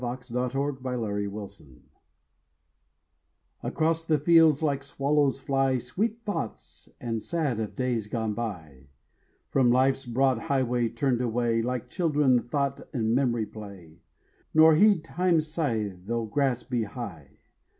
RONDEAU—ACROSS THE FIELDS ACROSS the fields like swallows fly Sweet thoughts and sad of days gone by, From Life's broad highway turned away, Like children thought and memory play, Nor heed Time's scythe though grass be high.